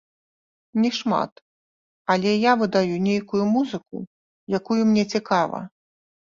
Не шмат, але я выдаю нейкую музыку, якую мне цікава.